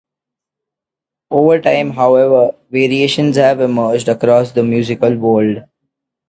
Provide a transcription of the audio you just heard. Over time, however, variations have emerged across the musical world.